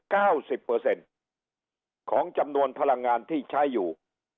เก้าสิบเปอร์เซ็นต์ของจำนวนพลังงานที่ใช้อยู่